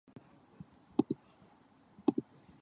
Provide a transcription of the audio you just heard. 你有冇紙巾呀